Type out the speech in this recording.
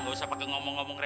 yak gapergamain senhor